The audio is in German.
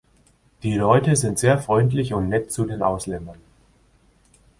Die Leute sind sehr freundlich und nett zu den Ausländern.